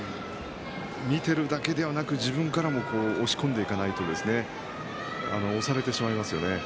見ているだけではなく自分からも押し込んでいかないと押されてしまいますよね。